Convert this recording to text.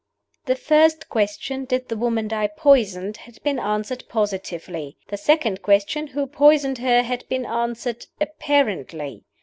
THE first question (Did the Woman Die Poisoned?) had been answered, positively. The second question (Who Poisoned Her?) had been answered, apparently.